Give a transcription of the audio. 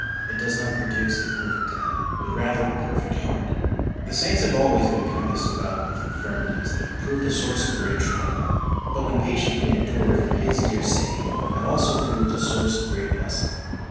It does not produce a perfect head, but rather a perfect heart ! The saints have always been compassed about with infirmities that have proved a source of great trial, but when patiently endured for His dear sake have also proved a source of great blessing.